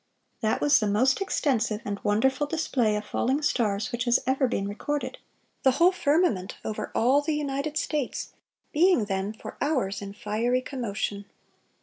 That was the most extensive and wonderful display of falling stars which has ever been recorded; "the whole firmament, over all the United States, being then, for hours, in fiery commotion!